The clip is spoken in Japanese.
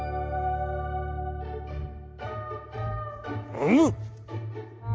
「うむ」。